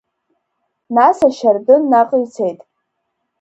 Нас ашьардын наҟ ицеит.